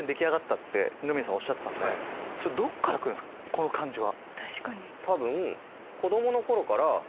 この感じは。